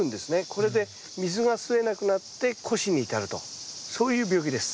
これで水が吸えなくなって枯死に至るとそういう病気です。